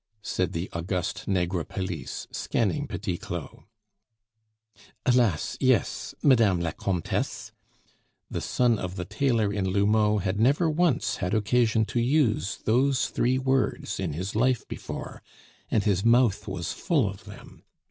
said the august Negrepelisse, scanning Petit Claud. "Alas! yes, Madame la Comtesse." (The son of the tailor in L'Houmeau had never once had occasion to use those three words in his life before, and his mouth was full of them.)